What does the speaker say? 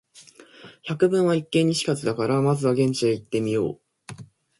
「百聞は一見に如かず」だから、まずは現地へ行ってみよう。